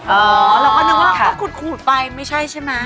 เออเราก็นึกว่าก็ขุดขุดไปไม่ใช่ใช่มั้ยครับ